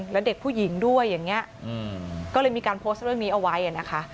แล้วเด็กผู้หญิงด้วยอย่างนี้ก็เลยมีการโพสต์เรื่องนี้เอาไว้นะคะ